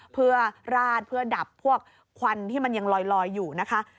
เพื่อราดเพื่อดับพวกควันที่มันยังลอยอยู่นะคะ